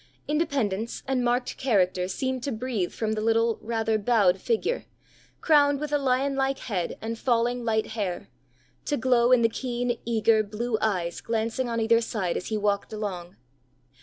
Independence and marked character seemed to breathe from the little, rather bowed figure, crowned with a lion like head and falling light hair to glow in the keen, eager, blue eyes glancing on either side as he walked along.